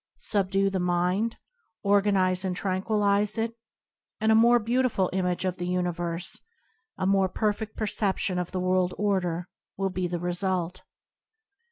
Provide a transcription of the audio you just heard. Subdue the mind, organize and tranquilize it, and a more beautiful image of the universe, a more perfed perception of the world order, will be the result.